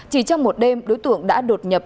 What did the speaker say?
chỉ trong một đêm đối tượng đã đột nhập